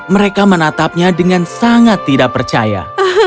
mereka menatapnya dengan sangat tidak percaya